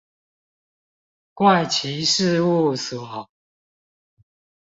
怪奇事物所